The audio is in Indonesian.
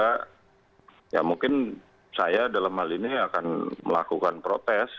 ya mungkin saya dalam hal ini akan melakukan protes